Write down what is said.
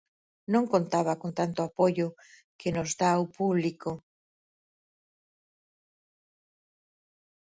Non contaba con tanto apoio que nos dá o público.